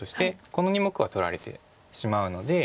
この２目は取られてしまうので。